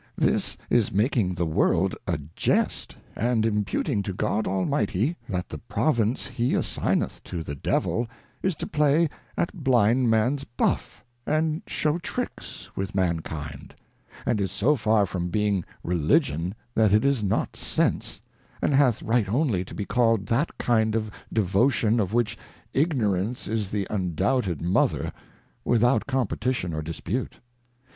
This is making the World a Jest, and imputing to God Almighty, That the Province he assigneth to the Devil, is to play at Blindmans buff, and shew Tricks with Mankind ; and is so far from being Religion, that it is not Sense, and hath right only to be calVd that kind of Devotion, of which Ignorance is the undoubted Mother, without competition or dispute.